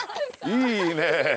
いいね！